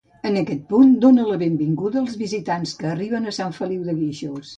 En aquest punt, dóna la benvinguda als visitants que arriben a Sant Feliu de Guíxols.